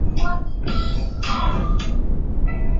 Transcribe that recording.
弦理论课题列表。